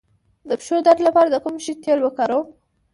د پښو درد لپاره د کوم شي تېل وکاروم؟